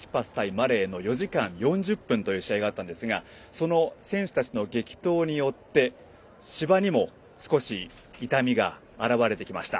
マレーの４時間４０分という試合があったんですがその選手たちの激闘によって芝にも少し傷みが現れてきました。